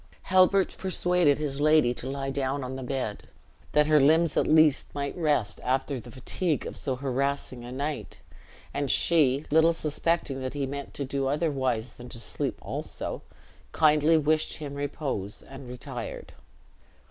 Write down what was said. Halbert persuaded his aldy to lie down on the bed, that her limbs at least might rest after the fatigue of so harassing a night; and she, little suspecting that he meant to do otherwise than to sleep also, kindly wished him repose and retired.